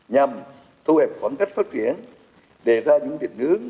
nhằm thu hẹp khoảng cách phát triển đề ra những định hướng